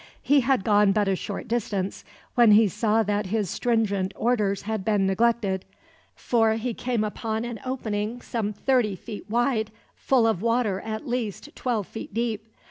He had gone but a short distance, when he saw that his stringent orders had been neglected; for he came upon an opening some thirty feet wide, full of water at least twelve feet deep.